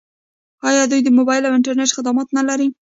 آیا دوی د موبایل او انټرنیټ خدمات نلري؟